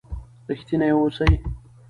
رښتیني اوسئ.